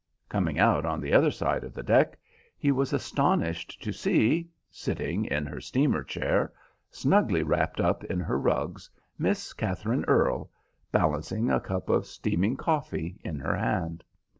Coming out on the other side of the deck, he was astonished to see, sitting in her steamer chair, snugly wrapped up in her rugs, Miss Katherine Earle, balancing a cup of steaming coffee in her hand.